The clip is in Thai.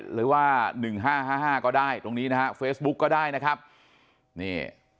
หรือว่าหนึ่งห้าห้าห้าก็ได้ตรงนี้นะฮะเฟซบุ๊กก็ได้นะครับนี่